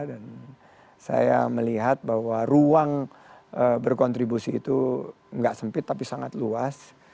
dan saya melihat bahwa ruang berkontribusi itu gak sempit tapi sangat luas